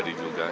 jadi ini juga